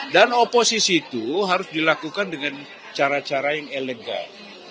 dan oposisi itu harus dilakukan dengan cara cara yang elegan